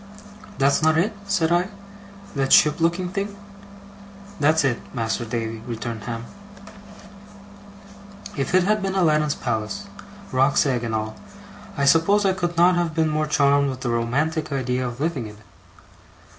'That's not it?' said I. 'That ship looking thing?' 'That's it, Mas'r Davy,' returned Ham. If it had been Aladdin's palace, roc's egg and all, I suppose I could not have been more charmed with the romantic idea of living in it.